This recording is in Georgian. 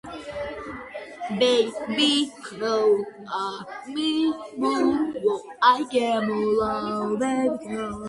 ყველაზე მეტად შესაფერისია მშრალი თბილი ადგილები.